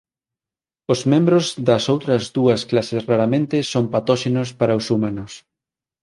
Os membros das outras dúas clases raramente son patóxenos para os humanos.